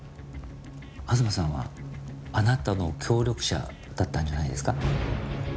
東さんはあなたの協力者だったんじゃないですか？